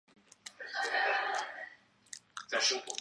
阿尔切夫斯克是乌克兰卢甘斯克州的一座城市。